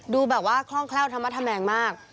ดูแบบว่าคล่องแคล่วธรรมธแมงมาก